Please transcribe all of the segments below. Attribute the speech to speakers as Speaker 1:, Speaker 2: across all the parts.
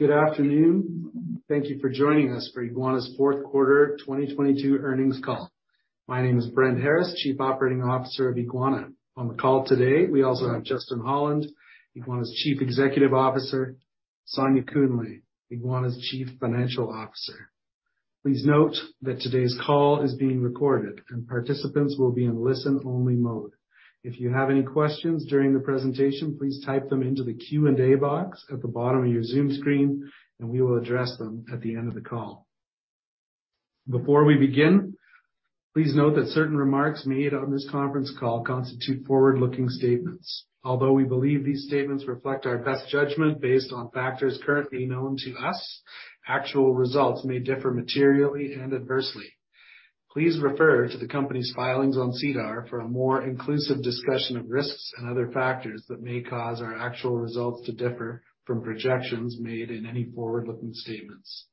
Speaker 1: Good afternoon. Thank you for joining us for Eguana's Fourth Quarter 2022 Earnings Call. My name is Brent Harris, Chief Operating Officer of Eguana. On the call today, we also have Justin Holland, Eguana's Chief Executive Officer, Sonja Kuehnle, Eguana's Chief Financial Officer. Please note that today's call is being recorded and participants will be in listen-only mode. If you have any questions during the presentation, please type them into the Q&A box at the bottom of your Zoom screen, and we will address them at the end of the call. Before we begin, please note that certain remarks made on this conference call constitute forward-looking statements. Although we believe these statements reflect our best judgment based on factors currently known to us, actual results may differ materially and adversely. Please refer to the company's filings on SEDAR for a more inclusive discussion of risks and other factors that may cause our actual results to differ from projections made in any forward-looking statements.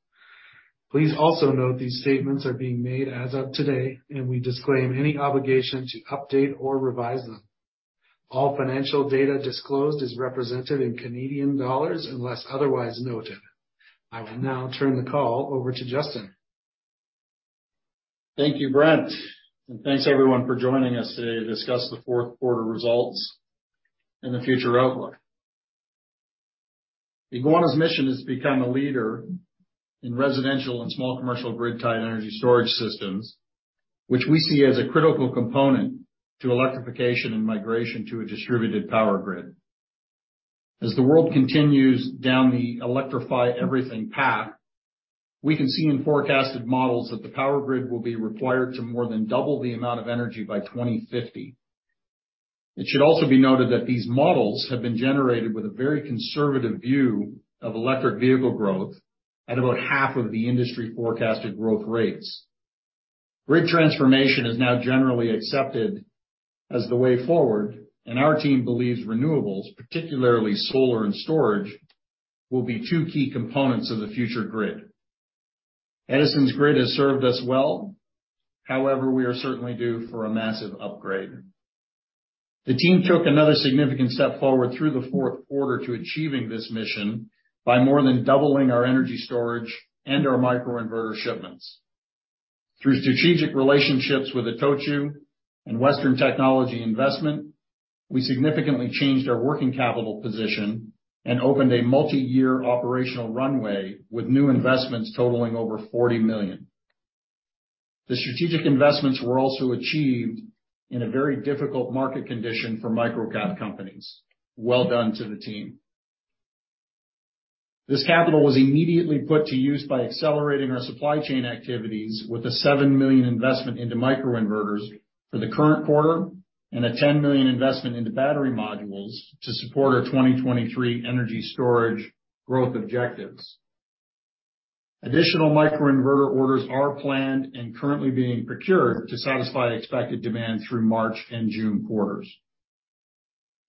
Speaker 1: Please also note these statements are being made as of today, and we disclaim any obligation to update or revise them. All financial data disclosed is represented in Canadian dollars unless otherwise noted. I will now turn the call over to Justin.
Speaker 2: Thank you, Brent, and thanks, everyone, for joining us today to discuss the fourth quarter results and the future outlook. Eguana's mission is to become a leader in residential and small commercial grid-tied energy storage systems, which we see as a critical component to electrification and migration to a distributed power grid. As the world continues down the electrify everything path, we can see in forecasted models that the power grid will be required to more than double the amount of energy by 2050. It should also be noted that these models have been generated with a very conservative view of electric vehicle growth at about half of the industry forecasted growth rates. Grid transformation is now generally accepted as the way forward, and our team believes renewables, particularly solar and storage, will be two key components of the future grid. Edison's grid has served us well. We are certainly due for a massive upgrade. The team took another significant step forward through the fourth quarter to achieving this mission by more than doubling our energy storage and our microinverter shipments. Through strategic relationships with ITOCHU and Western Technology Investment, we significantly changed our working capital position and opened a multi-year operational runway with new investments totaling over 40 million. The strategic investments were also achieved in a very difficult market condition for micro-cap companies. Well done to the team. This capital was immediately put to use by accelerating our supply chain activities with a 7 million investment into microinverters for the current quarter and a 10 million investment into battery modules to support our 2023 energy storage growth objectives. Additional microinverter orders are planned and currently being procured to satisfy expected demand through March and June quarters.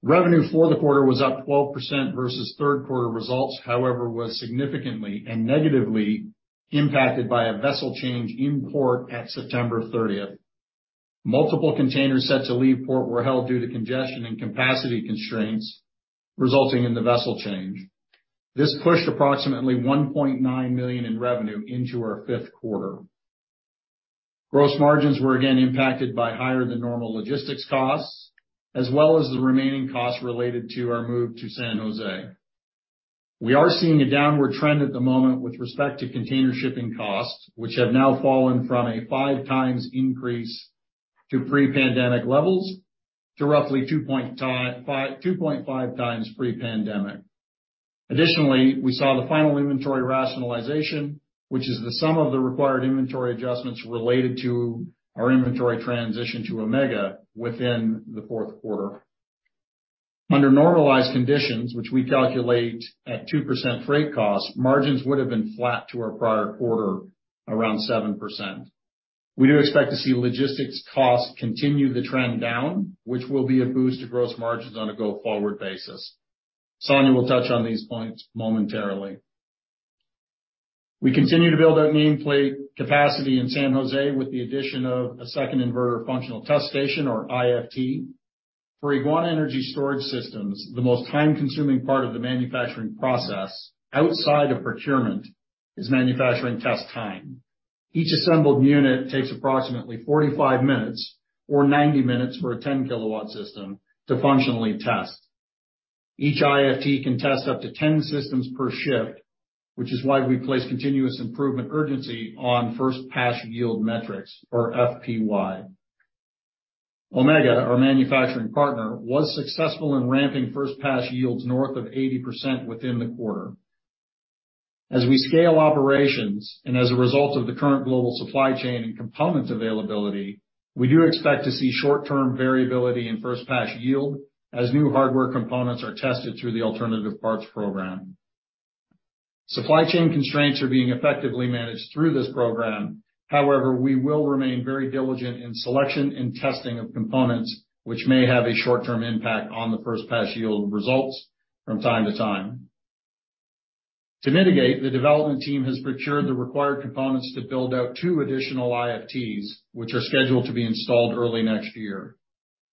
Speaker 2: Revenue for the quarter was up 12% versus third quarter results, however, was significantly and negatively impacted by a vessel change in port at September 30th. Multiple containers set to leave port were held due to congestion and capacity constraints, resulting in the vessel change. This pushed approximately 1.9 million in revenue into our fifth quarter. Gross margins were again impacted by higher than normal logistics costs, as well as the remaining costs related to our move to San Jose. We are seeing a downward trend at the moment with respect to container shipping costs, which have now fallen from a five times increase to pre-pandemic levels to roughly 2.5 times pre-pandemic. We saw the final inventory rationalization, which is the sum of the required inventory adjustments related to our inventory transition to Omega within the fourth quarter. Under normalized conditions, which we calculate at 2% freight costs, margins would have been flat to our prior quarter, around 7%. We do expect to see logistics costs continue the trend down, which will be a boost to gross margins on a go-forward basis. Sonya will touch on these points momentarily. We continue to build our nameplate capacity in San Jose with the addition of a second inverter functional test station or IFT. For Eguana energy storage systems, the most time-consuming part of the manufacturing process outside of procurement is manufacturing test time. Each assembled unit takes approximately 45 minutes or 90 minutes for a 10-kW system to functionally test. Each IFT can test up to 10 systems per shift, which is why we place continuous improvement urgency on first pass yield metrics or FPY. Omega, our manufacturing partner, was successful in ramping first pass yields north of 80% within the quarter. We scale operations and as a result of the current global supply chain and components availability, we do expect to see short-term variability in first pass yield as new hardware components are tested through the alternate parts program. Supply chain constraints are being effectively managed through this program. We will remain very diligent in selection and testing of components which may have a short-term impact on the first pass yield results from time to time. To mitigate, the development team has procured the required components to build out 2 additional IFTs, which are scheduled to be installed early next year.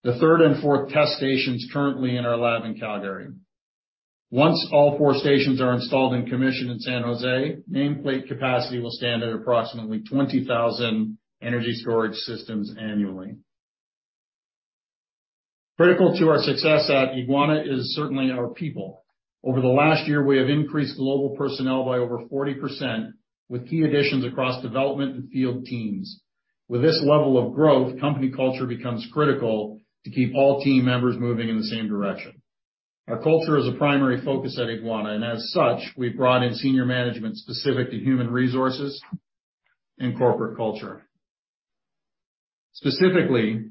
Speaker 2: The third and fourth test station is currently in our lab in Calgary. Once all four stations are installed and commissioned in San Jose, nameplate capacity will stand at approximately 20,000 energy storage systems anNually. Critical to our success at Eguana is certainly our people. Over the last year, we have increased global personnel by over 40% with key additions across development and field teams. With this level of growth, company culture becomes critical to keep all team members moving in the same direction. Our culture is a primary focus at Eguana, and as such, we've brought in senior management specific to human resources and corporate culture. Specifically,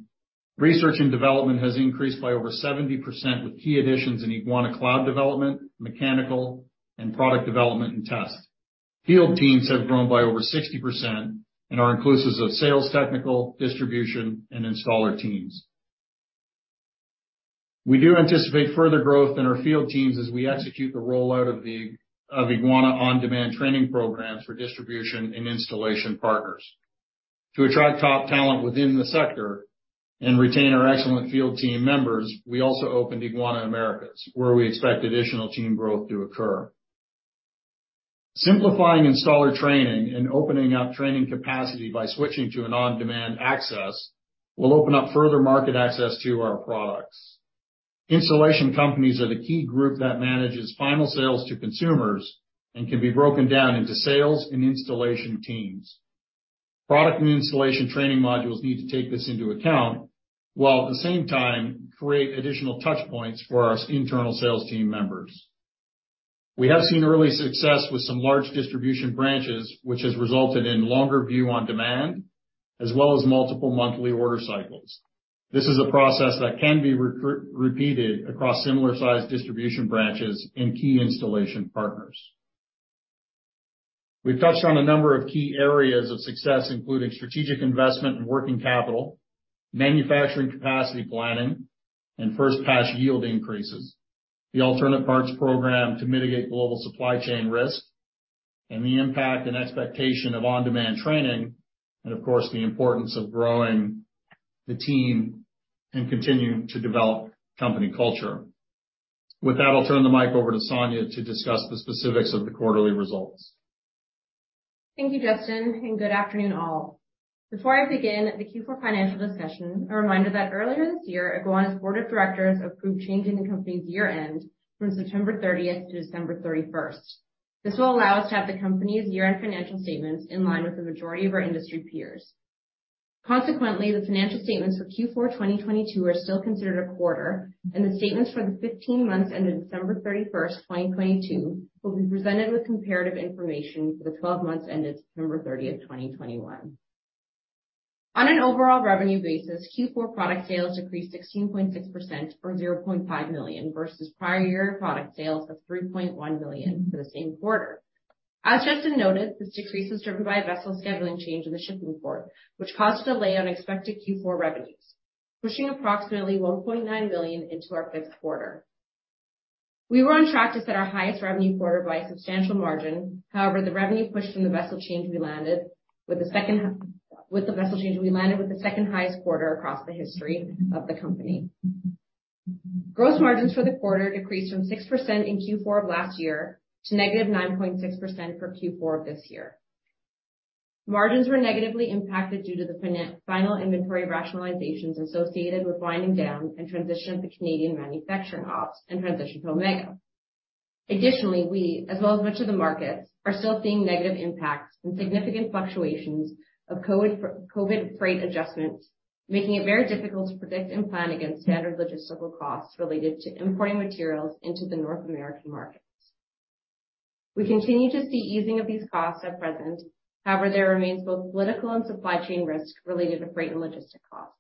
Speaker 2: research and development has increased by over 70% with key additions in Eguana Cloud development, mechanical, and product development and test. Field teams have grown by over 60% and are inclusive of sales, technical, distribution, and installer teams. We do anticipate further growth in our field teams as we execute the rollout of Eguana on-demand training programs for distribution and installation partners. To attract top talent within the sector and retain our excellent field team members, we also opened Eguana Americas, where we expect additional team growth to occur. Simplifying installer training and opening up training capacity by switching to an on-demand access will open up further market access to our products. Installation companies are the key group that manages final sales to consumers and can be broken down into sales and installation teams. Product and installation training modules need to take this into account, while at the same time, create additional touch points for our internal sales team members. We have seen early success with some large distribution branches, which has resulted in longer view on-demand, as well as multiple monthly order cycles. This is a process that can be repeated across similar-sized distribution branches and key installation partners. We've touched on a number of key areas of success, including strategic investment and working capital, manufacturing capacity planning, and first pass yield increases, the alternate parts program to mitigate global supply chain risk, and the impact and expectation of on-demand training, and of course, the importance of growing the team and continuing to develop company culture. With that, I'll turn the mic over to Sonya to discuss the specifics of the quarterly results.
Speaker 3: Thank you, Justin. Good afternoon, all. Before I begin the Q4 financial discussion, a reminder that earlier this year, Eguana's board of directors approved changing the company's year-end from September 30th to December 31st. This will allow us to have the company's year-end financial statements in line with the majority of our industry peers. Consequently, the financial statements for Q4 2022 are still considered a quarter, and the statements for the 15 months ended December 31st, 2022 will be presented with comparative information for the 12 months ended September 30th, 2021. On an overall revenue basis, Q4 product sales decreased 16.6% from 0.5 million, versus prior year product sales of 3.1 million for the same quarter. As Justin noted, this decrease is driven by a vessel scheduling change in the shipping port, which caused a delay on expected Q4 revenues, pushing approximately 1.9 million into our fifth quarter. We were on track to set our highest revenue quarter by a substantial margin. However, the revenue push from the vessel change with the vessel change, we landed with the second-highest quarter across the history of the company. Gross margins for the quarter decreased from 6% in Q4 of last year to -9.6% for Q4 of this year. Margins were negatively impacted due to the final inventory rationalizations associated with winding down and transition of the Canadian manufacturing ops and transition to Omega. Additionally, we, as well as much of the markets, are still seeing negative impacts and significant fluctuations of COVID freight adjustments, making it very difficult to predict and plan against standard logistical costs related to importing materials into the North American markets. We continue to see easing of these costs at present. However, there remains both political and supply chain risk related to freight and logistic costs.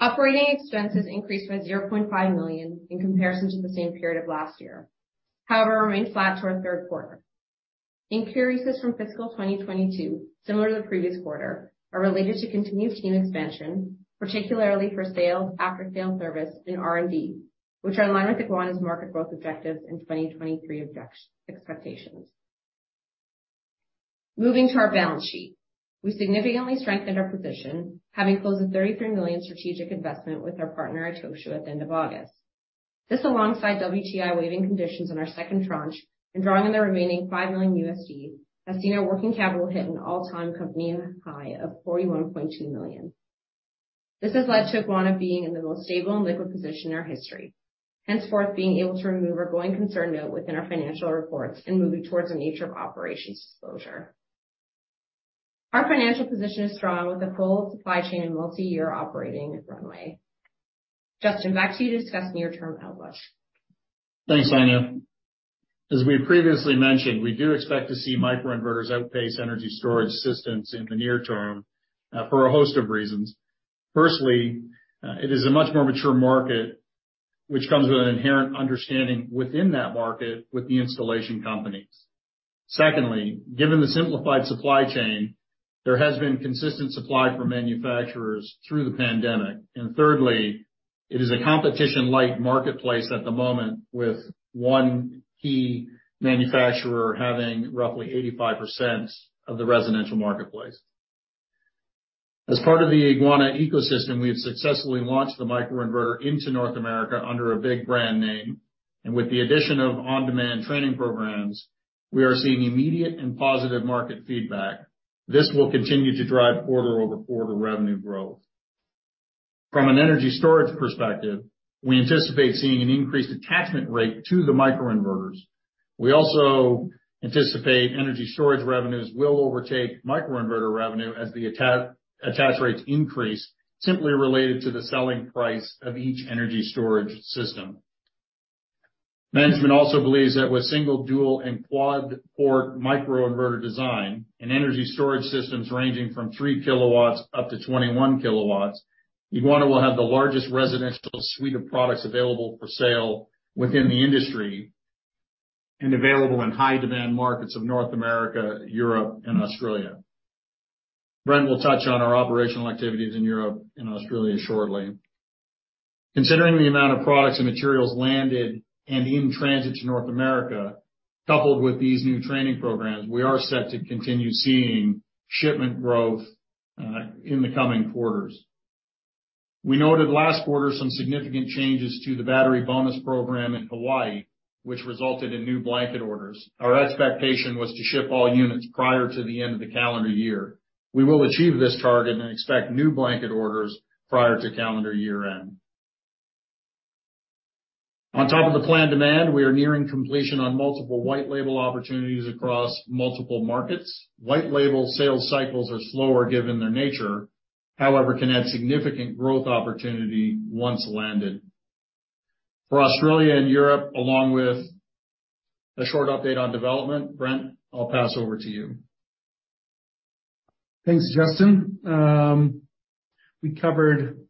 Speaker 3: Operating expenses increased by 0.5 million in comparison to the same period of last year. However, remained flat to our third quarter. Increases from fiscal 2022, similar to the previous quarter, are related to continued team expansion, particularly for sales, after-sale service, and R&D, which are in line with Eguana's market growth objectives and 2023 expectations. Moving to our balance sheet. We significantly strengthened our position, having closed a CAD 33 million strategic investment with our partner, ITOCHU, at the end of August. This, alongside WTI waiving conditions on our second tranche and drawing on the remaining $5 million, has seen our working capital hit an all-time company high of 41.2 million. This has led to Eguana being in the most stable and liquid position in our history. Henceforth, being able to remove our going concern note within our financial reports and moving towards a nature of operations disclosure. Our financial position is strong with a full supply chain and multi-year operating runway. Justin, back to you to discuss near-term outlook.
Speaker 2: Thanks, Sonya. As we previously mentioned, we do expect to see microinverters outpace energy storage systems in the near term for a host of reasons. Firstly, it is a much more mature market which comes with an inherent understanding within that market with the installation companies. Secondly, given the simplified supply chain, there has been consistent supply for manufacturers through the pandemic. Thirdly, it is a competition-like marketplace at the moment, with one key manufacturer having roughly 85% of the residential marketplace. As part of the Eguana ecosystem, we have successfully launched the microinverter into North America under a big brand name, and with the addition of on-demand training programs, we are seeing immediate and positive market feedback. This will continue to drive quarter-over-quarter revenue growth. From an energy storage perspective, we anticipate seeing an increased attachment rate to the microinverters. We also anticipate energy storage revenues will overtake microinverter revenue as the attach rates increase simply related to the selling price of each energy storage system. Management also believes that with single, dual, and quad-port microinverter design and energy storage systems ranging from 3 kW up to 21 kW, Eguana will have the largest residential suite of products available for sale within the industry and available in high-demand markets of North America, Europe, and Australia. Brent will touch on our operational activities in Europe and Australia shortly. Considering the amount of products and materials landed and in transit to North America, coupled with these new training programs, we are set to continue seeing shipment growth in the coming quarters. We noted last quarter some significant changes to the Battery Bonus program in Hawaii, which resulted in new blanket orders. Our expectation was to ship all units prior to the end of the calendar year. We will achieve this target and expect new blanket orders prior to calendar year-end. On top of the planned demand, we are nearing completion on multiple white label opportunities across multiple markets. White label sales cycles are slower given their nature, however, can add significant growth opportunity once landed. For Australia and Europe, along with a short update on development, Brent, I'll pass over to you.
Speaker 1: Thanks, Justin. We covered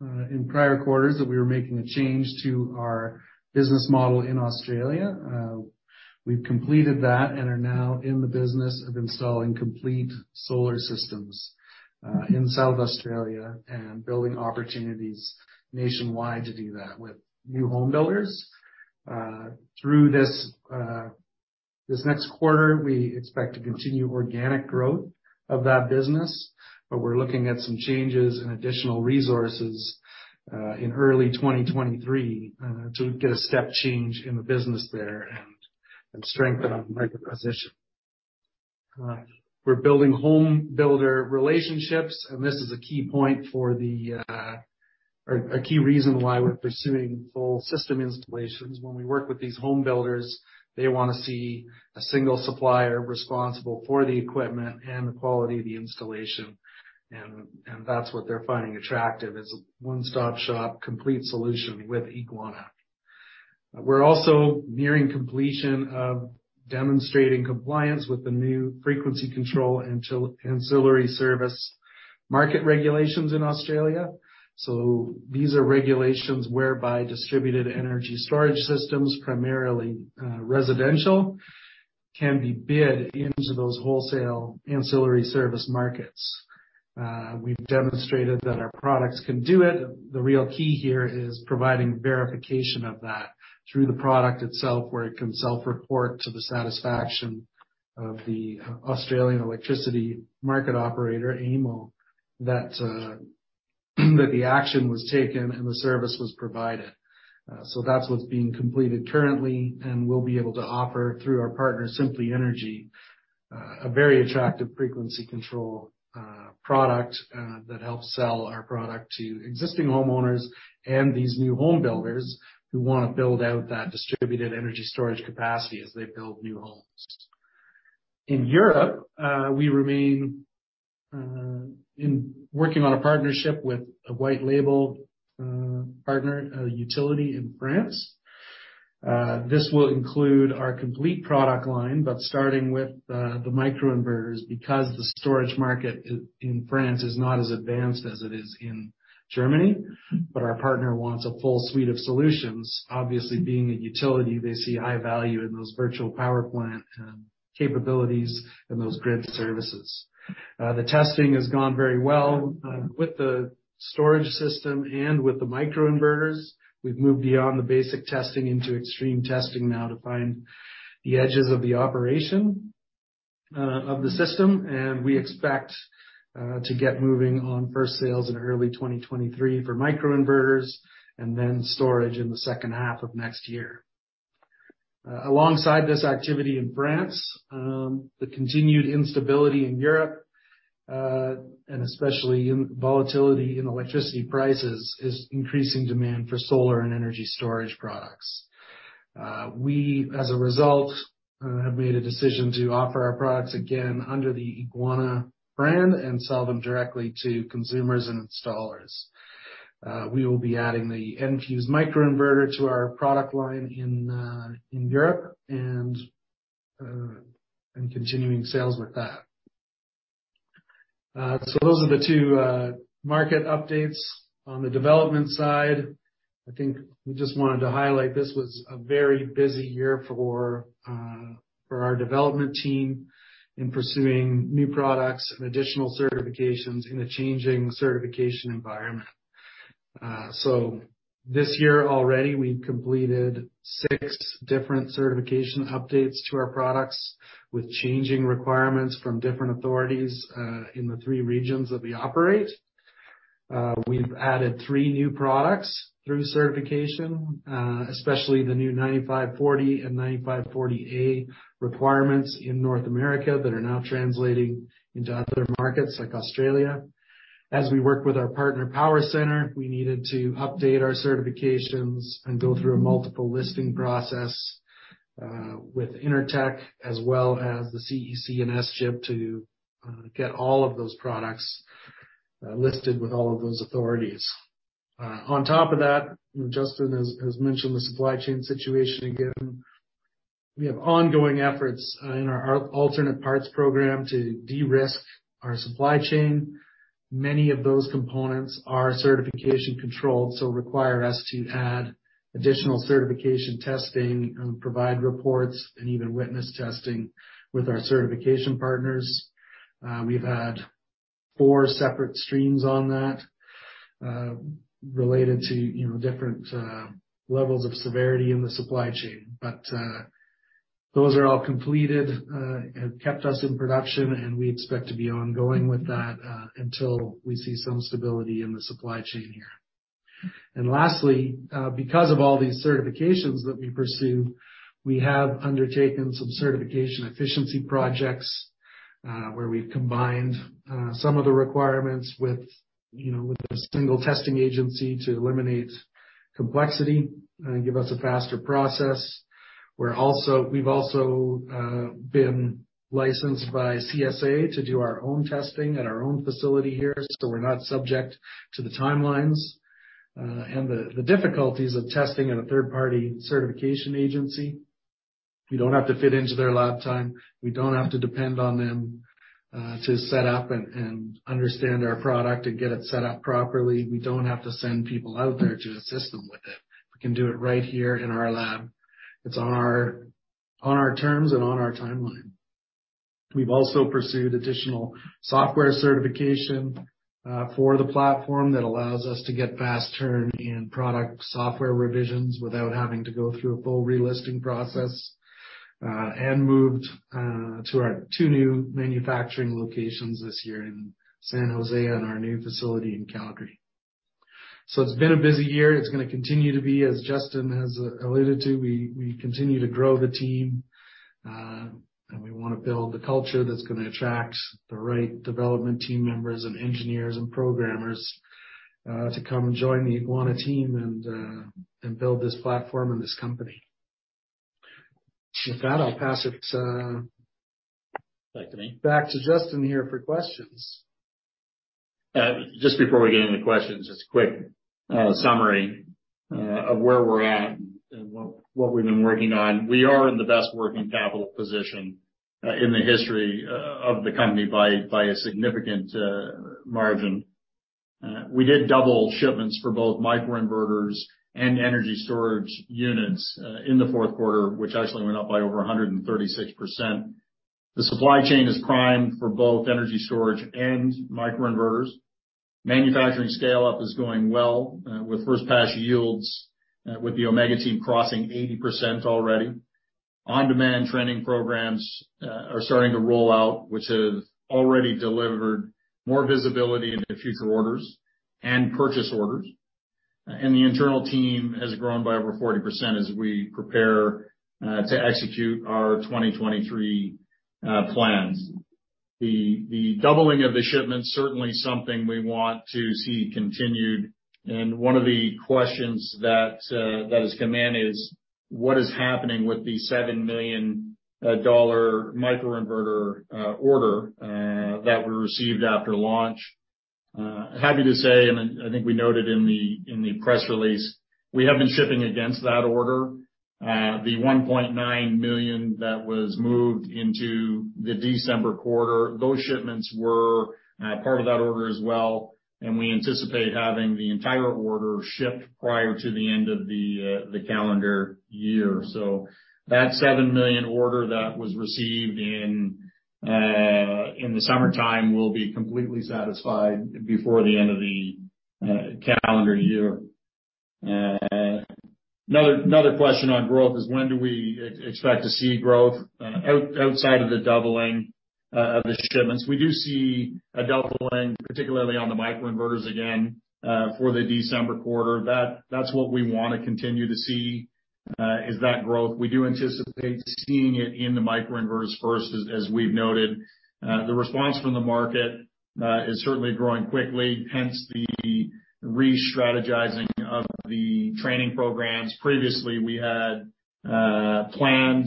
Speaker 1: in prior quarters that we were making a change to our business model in Australia. We've completed that and are now in the business of installing complete solar systems in South Australia and building opportunities nationwide to do that with new home builders. Through this next quarter, we expect to continue organic growth of that business, but we're looking at some changes and additional resources in early 2023 to get a step change in the business there and strengthen our market position. We're building home builder relationships, and this is a key reason why we're pursuing full system installations. When we work with these home builders, they wanna see a single supplier responsible for the equipment and the quality of the installation. That's what they're finding attractive. It's a one-stop shop, complete solution with Eguana. We're also nearing completion of demonstrating compliance with the new Frequency Control Ancillary Services market regulations in Australia. These are regulations whereby distributed energy storage systems, primarily, residential, can be bid into those wholesale ancillary service markets. We've demonstrated that our products can do it. The real key here is providing verification of that through the product itself, where it can self-report to the satisfaction of the Australian Energy Market Operator, AEMO, that the action was taken and the service was provided. That's what's being completed currently, and we'll be able to offer through our partner, Simply Energy, a very attractive frequency control product that helps sell our product to existing homeowners and these new home builders who wanna build out that distributed energy storage capacity as they build new homes. In Europe, we remain in working on a partnership with a white label partner, a utility in France. This will include our complete product line, but starting with the microinverters because the storage market in France is not as advanced as it is in Germany, but our partner wants a full suite of solutions. Obviously, being a utility, they see high value in those virtual power plant capabilities and those grid services. The testing has gone very well. With the storage system and with the microinverters, we've moved beyond the basic testing into extreme testing now to find the edges of the operation of the system. We expect to get moving on first sales in early 2023 for microinverters and then storage in the second half of next year. Alongside this activity in France, the continued instability in Europe, and especially in volatility in electricity prices, is increasing demand for solar and energy storage products. We, as a result, have made a decision to offer our products again under the Eguana brand and sell them directly to consumers and installers. We will be adding the Enfuse microinverter to our product line in Europe and continuing sales with that. Those are the two market updates. On the development side, I think we just wanted to highlight this was a very busy year for our development team in pursuing new products and additional certifications in a changing certification environment. This year already we've completed six different certification updates to our products with changing requirements from different authorities in the three regions that we operate. We've added three new products through certification, especially the new 9540 and 9540A requirements in North America that are now translating into other markets like Australia. As we work with our partner PowerCenter+, we needed to update our certifications and go through a multiple listing process with Intertek as well as the CEC and SGIP to get all of those products listed with all of those authorities. On top of that, Justin has mentioned the supply chain situation again. We have ongoing efforts in our alternate parts program to de-risk our supply chain. Many of those components are certification-controlled, so require us to add additional certification testing and provide reports and even witness testing with our certification partners. We've had four separate streams on that, related to, you know, different levels of severity in the supply chain. Those are all completed, it kept us in production, and we expect to be ongoing with that until we see some stability in the supply chain here. Lastly, because of all these certifications that we pursue, we have undertaken some certification efficiency projects, where we've combined some of the requirements with, you know, with a single testing agency to eliminate complexity and give us a faster process. We've also been licensed by CSA to do our own testing at our own facility here, so we're not subject to the timelines and the difficulties of testing at a third-party certification agency. We don't have to fit into their lab time. We don't have to depend on them to set up and understand our product and get it set up properly. We don't have to send people out there to assist them with it. We can do it right here in our lab. It's on our terms and on our timeline. We've also pursued additional software certification for the platform that allows us to get fast turn in product software revisions without having to go through a full relisting process and moved to our two new manufacturing locations this year in San Jose and our new facility in Calgary. It's been a busy year. It's gonna continue to be, as Justin has alluded to. We continue to grow the team and we wanna build the culture that's gonna attract the right development team members and engineers and programmers to come and join the Eguana team and build this platform and this company. With that, I'll pass it to.
Speaker 2: Back to me.
Speaker 1: Back to Justin here for questions.
Speaker 2: Just before we get into questions, just a quick summary of where we're at and what we've been working on. We are in the best working capital position in the history of the company by a significant margin. We did double shipments for both microinverters and energy storage units in the fourth quarter, which actually went up by over 136%. The supply chain is primed for both energy storage and microinverters. Manufacturing scale-up is going well with first-pass yields with the Omega team crossing 80% already. On-demand training programs are starting to roll out, which have already delivered more visibility into future orders and purchase orders. The internal team has grown by over 40% as we prepare to execute our 2023 plans. The doubling of the shipments, certainly something we want to see continued. One of the questions that has come in is what is happening with the $7 million microinverter order that we received after launch? Happy to say, and I think we noted in the press release, we have been shipping against that order. The $1.9 million that was moved into the December quarter, those shipments were part of that order as well, and we anticipate having the entire order shipped prior to the end of the calendar year. That $7 million order that was received in the summertime will be completely satisfied before the end of the calendar year. Another question on growth is when do we expect to see growth outside of the doubling of the shipments? We do see a doubling, particularly on the microinverters again, for the December quarter. That's what we wanna continue to see is that growth. We do anticipate seeing it in the microinverters first as we've noted. The response from the market is certainly growing quickly, hence the re-strategizing of the training programs. Previously, we had planned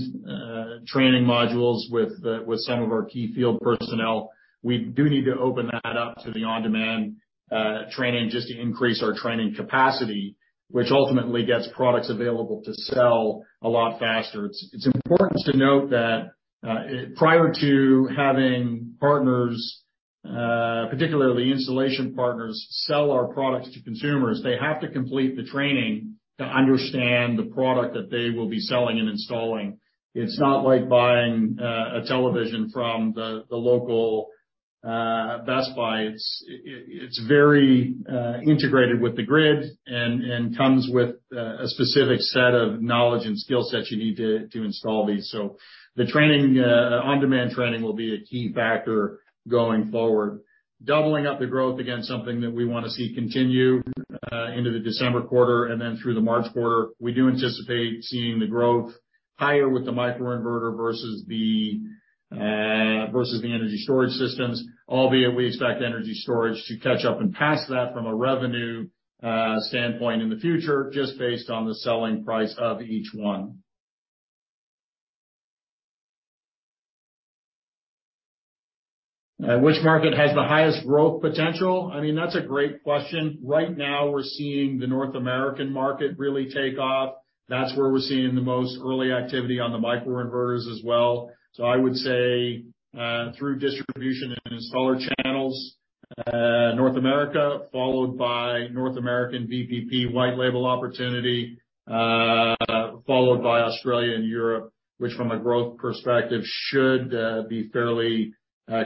Speaker 2: training modules with some of our key field personnel. We do need to open that up to the on-demand training just to increase our training capacity, which ultimately gets products available to sell a lot faster. It's important to note that prior to having partners, particularly installation partners, sell our products to consumers, they have to complete the training to understand the product that they will be selling and installing. It's not like buying a television from the local Best Buy. It's very integrated with the grid and comes with a specific set of knowledge and skill sets you need to install these. The training, on-demand training will be a key factor going forward. Doubling up the growth, again, something that we wanna see continue into the December quarter and then through the March quarter. We do anticipate seeing the growth higher with the microinverter versus the versus the energy storage systems, albeit we expect energy storage to catch up and pass that from a revenue standpoint in the future, just based on the selling price of each one. Which market has the highest growth potential? I mean, that's a great question. Right now we're seeing the North American market really take off. That's where we're seeing the most early activity on the microinverters as well. I would say, through distribution and installer channels, North America, followed by North American VPP white label opportunity, followed by Australia and Europe, which from a growth perspective should be fairly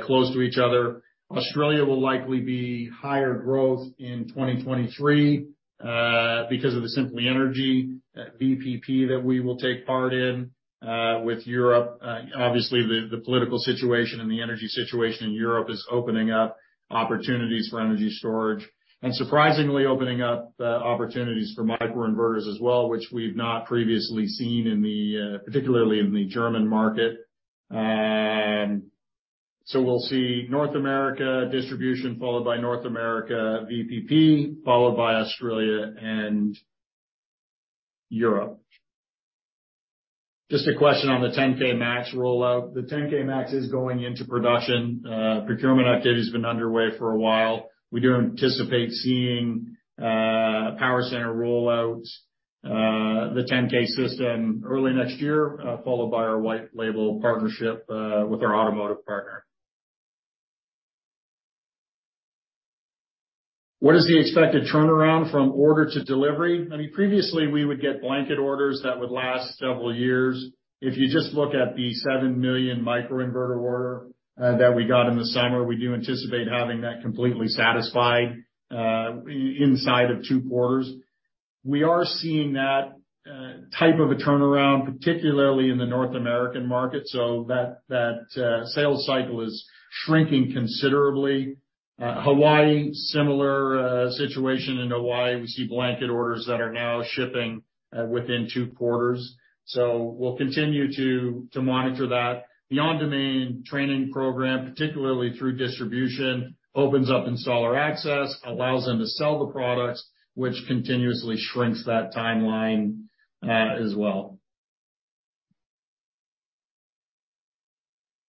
Speaker 2: close to each other. Australia will likely be higher growth in 2023 because of the Simply Energy VPP that we will take part in. With Europe, obviously the political situation and the energy situation in Europe is opening up opportunities for energy storage, and surprisingly opening up opportunities for microinverters as well, which we've not previously seen in the, particularly in the German market. We'll see North America distribution, followed by North America VPP, followed by Australia and Europe. Just a question on the 10kW Max rollout. The 10kW Max is going into production. Procurement activity has been underway for a while. We do anticipate seeing a PowerCenter+ rollout, the 10kW system early next year, followed by our white label partnership with our automotive partner. What is the expected turnaround from order to delivery? I mean previously we would get blanket orders that would last several years. If you just look at the 7 million microinverter order that we got in the summer, we do anticipate having that completely satisfied inside of 2 quarters. We are seeing that type of a turnaround, particularly in the North American market, so that sales cycle is shrinking considerably. Hawaii, similar situation in Hawaii. We see blanket orders that are now shipping within 2 quarters. We'll continue to monitor that. The on-demand training program, particularly through distribution, opens up installer access, allows them to sell the products, which continuously shrinks that timeline as well.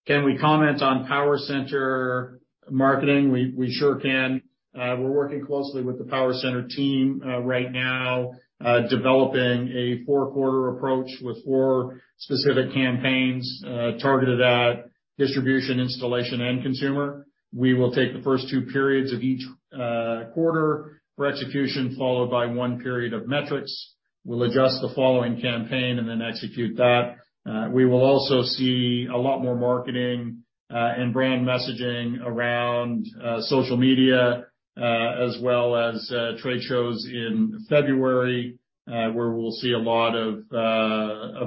Speaker 2: Can we comment on PowerCenter marketing? We sure can. We're working closely with the PowerCenter team right now, developing a 4-quarter approach with 4 specific campaigns targeted at distribution, installation, and consumer. We will take the first two periods of each quarter for execution, followed by one period of metrics. We'll adjust the following campaign and then execute that. We will also see a lot more marketing and brand messaging around social media, as well as trade shows in February, where we'll see a lot of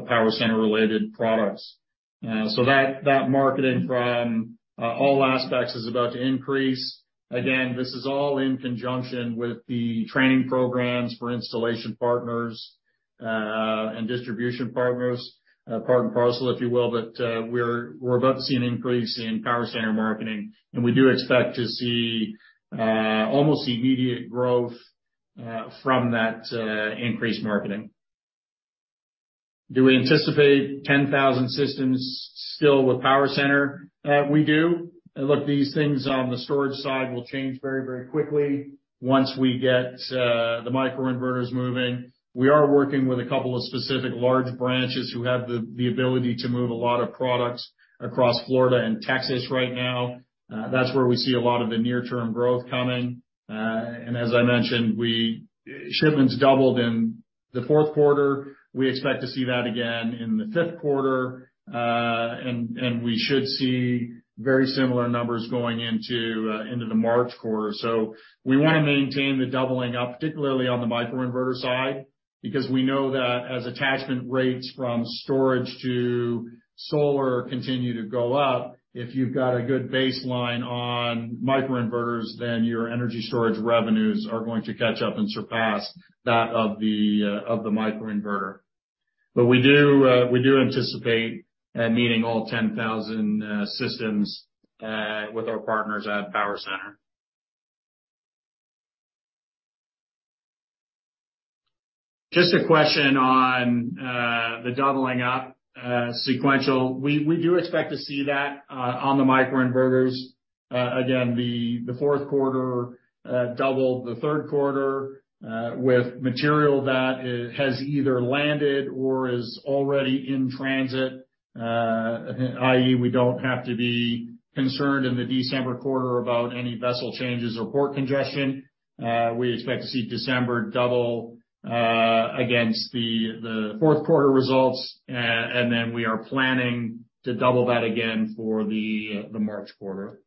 Speaker 2: PowerCenter-related products. That, that marketing from all aspects is about to increase. Again, this is all in conjunction with the training programs for installation partners and distribution partners, part and parcel, if you will. We're about to see an increase in PowerCenter marketing, and we do expect to see almost immediate growth from that increased marketing. Do we anticipate 10,000 systems still with PowerCenter? We do. Look, these things on the storage side will change very, very quickly once we get the microinverters moving. We are working with a couple of specific large branches who have the ability to move a lot of products across Florida and Texas right now. That's where we see a lot of the near term growth coming. As I mentioned, shipments doubled in the fourth quarter. We expect to see that again in the fifth quarter. And we should see very similar numbers going into the March quarter. We wanna maintain the doubling up, particularly on the microinverter side, because we know that as attachment rates from storage to solar continue to go up, if you've got a good baseline on microinverters, then your energy storage revenues are going to catch up and surpass that of the microinverter. We do anticipate meeting all 10,000 systems with our partners at PowerCenter+. Just a question on the doubling up sequential. We do expect to see that on the microinverters. Again, the fourth quarter doubled the third quarter with material that has either landed or is already in transit. I.e., we don't have to be concerned in the December quarter about any vessel changes or port congestion. We expect to see December double against the fourth quarter results. We are planning to double that again for the March quarter.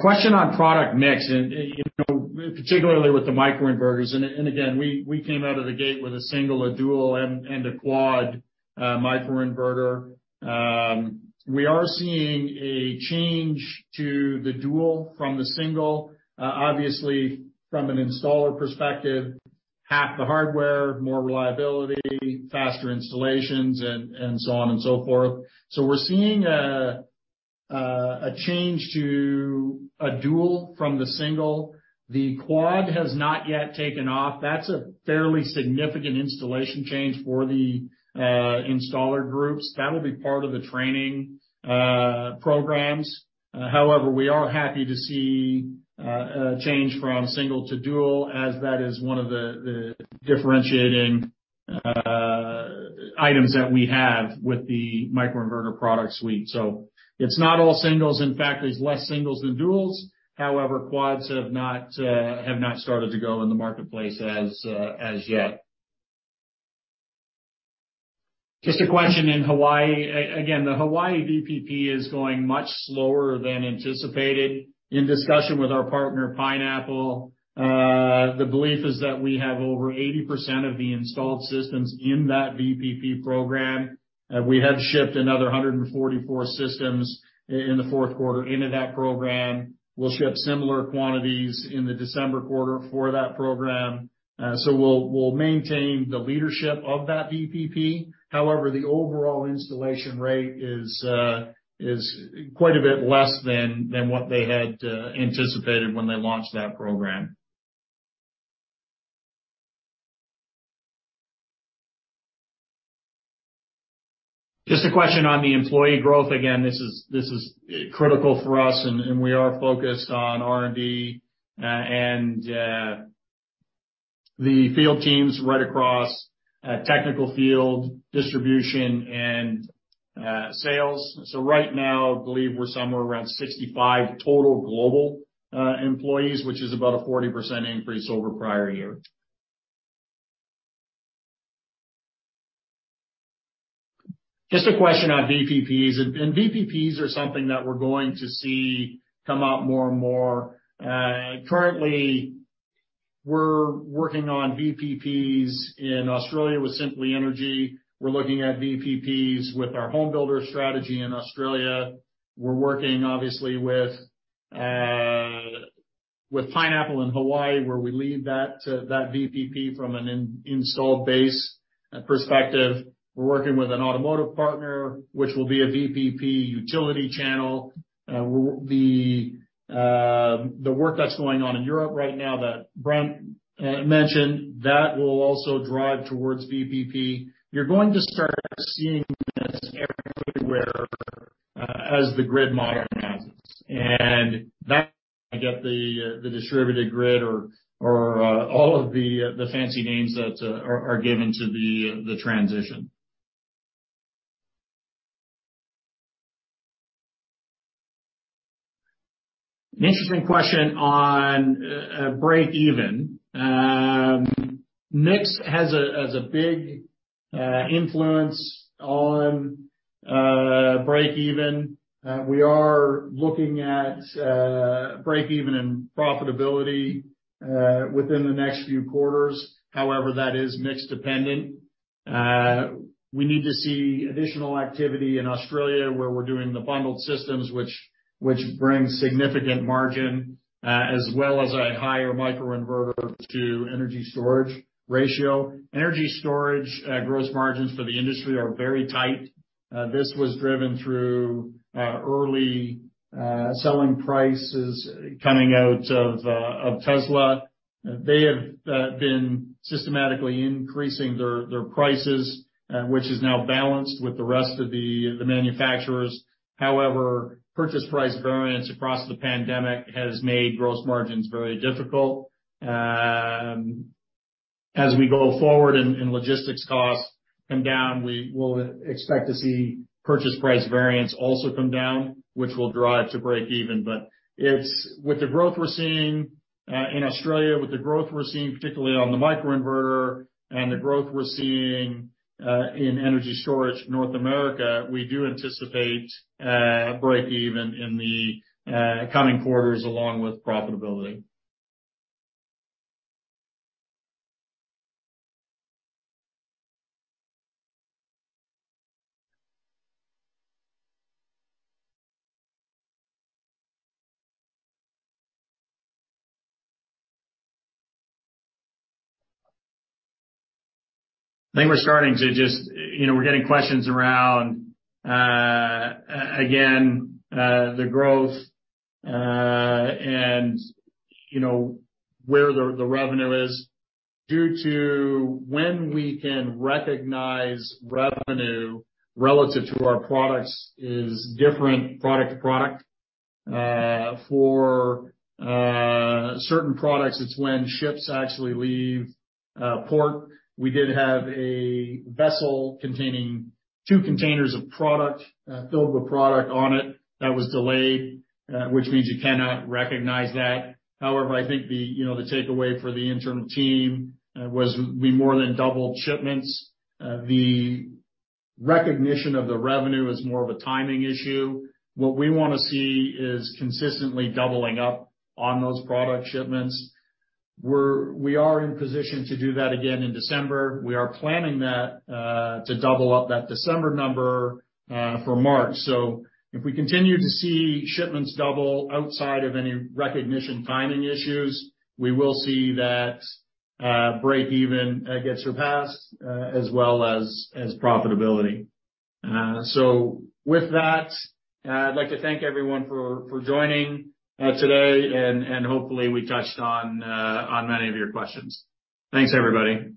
Speaker 2: Question on product mix and, you know, particularly with the microinverters. Again, we came out of the gate with a single, a dual, and a quad microinverter. We are seeing a change to the dual from the single. Obviously from an installer perspective, half the hardware, more reliability, faster installations and so on and so forth. We're seeing a change to a dual from the single. The quad has not yet taken off. That's a fairly significant installation change for the installer groups. That'll be part of the training programs. However, we are happy to see a change from single to dual as that is one of the differentiating items that we have with the microinverter product suite. It's not all singles. In fact, there's less singles than duals. However, quads have not started to go in the marketplace as yet. Just a question in Hawaii. Again, the Hawaii VPP is going much slower than anticipated. In discussion with our partner, Pineapple, the belief is that we have over 80% of the installed systems in that VPP program. We have shipped another 144 systems in the fourth quarter into that program. We'll ship similar quantities in the December quarter for that program. We'll maintain the leadership of that VPP. However, the overall installation rate is quite a bit less than what they had anticipated when they launched that program. Just a question on the employee growth. Again, this is critical for us and we are focused on R&D and the field teams right across technical field, distribution, and sales. Right now, I believe we're somewhere around 65 total global employees, which is about a 40% increase over prior year. Just a question on VPPs. VPPs are something that we're going to see come out more and more. Currently we're working on VPPs in Australia with Simply Energy. We're looking at VPPs with our home builder strategy in Australia. We're working obviously with Pineapple in Hawaii, where we lead that VPP from an in-installed base perspective. We're working with an automotive partner, which will be a VPP utility channel. The work that's going on in Europe right now that Brent mentioned, that will also drive towards VPP. You're going to start seeing this everywhere as the grid modernizes. That I get the distributed grid or all of the fancy names that are given to the transition. An interesting question on break even. Mix has a big influence on break even. We are looking at break even in profitability within the next few quarters. However, that is mix dependent. We need to see additional activity in Australia, where we're doing the bundled systems, which brings significant margin as well as a higher microinverter to energy storage ratio. Energy storage, gross margins for the industry are very tight. This was driven through early selling prices coming out of Tesla. They have been systematically increasing their prices, which is now balanced with the rest of the manufacturers. Purchase price variance across the pandemic has made gross margins very difficult. As we go forward and logistics costs come down, we will expect to see purchase price variance also come down, which will drive to break even. With the growth we're seeing in Australia, with the growth we're seeing particularly on the microinverter and the growth we're seeing in energy storage North America, we do anticipate break even in the coming quarters along with profitability. I think we're starting to just... You know, we're getting questions around again, the growth, and, you know, where the revenue is. Due to when we can recognize revenue relative to our products is different product to product. For certain products, it's when ships actually leave port. We did have a vessel containing 2 containers of product, filled with product on it that was delayed, which means you cannot recognize that. However, I think the, you know, the takeaway for the interim team was we more than doubled shipments. The recognition of the revenue is more of a timing issue. What we wanna see is consistently doubling up on those product shipments. We are in position to do that again in December. We are planning that to double up that December number for March. If we continue to see shipments double outside of any recognition timing issues, we will see that break even get surpassed as well as profitability. With that, I'd like to thank everyone for joining today and hopefully we touched on many of your questions. Thanks, everybody.